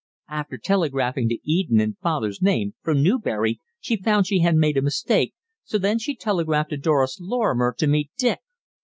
After telegraphing to Eton in father's name, from Newbury, she found she had made a mistake, so then she telegraphed to Doris Lorrimer to meet Dick.